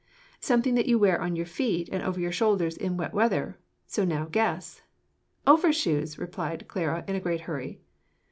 "Something that you wear on your feet and over your shoulders in wet weather; so now guess." "Overshoes!" replied Clara, in a great hurry.